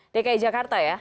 dki jakarta ya